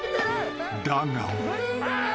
［だが］